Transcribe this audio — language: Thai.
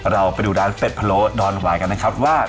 เราไปดูร้านเป็ดพะโลดอนหวายกันนะครับว่า